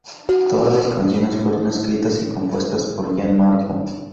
Todas las canciones fueron escritas y compuestas por Gian Marco.